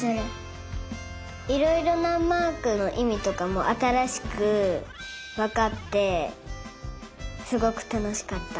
いろいろなマークのいみとかもあたらしくわかってすごくたのしかった。